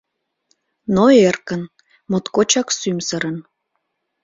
Но эркын, моткочак сӱмсырын